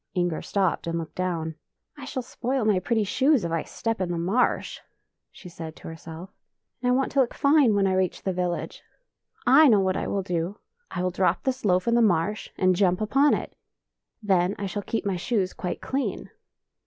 Inger stopped and looked down. " I shall spoil my pretty shoes if I step in the marsh," she said to herself, " and I want to look fine when I reach the village. I know what I will do! I will drop this loaf in the marsh and jump upon it; then I shall keep my shoes quite clean."